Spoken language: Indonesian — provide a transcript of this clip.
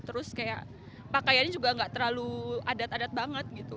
terus kayak pakaiannya juga nggak terlalu adat adat banget gitu